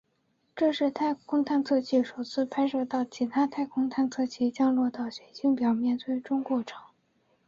这是太空探测器首次拍摄到其他太空探测器降落到行星表面最终过程。